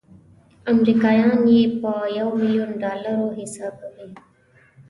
امریکایان یې په یو میلیون ډالرو حسابوي.